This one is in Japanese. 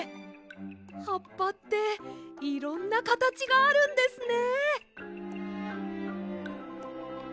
はっぱっていろんなかたちがあるんですね。